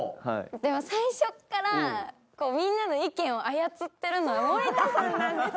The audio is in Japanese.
でも最初っからみんなの意見を操ってるのは森田さんなんですよ。